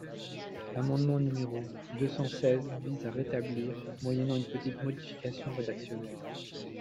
L’amendement numéro deux cent seize vise à la rétablir, moyennant une petite modification rédactionnelle.